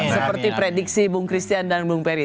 seperti prediksi bung christian dan bung peri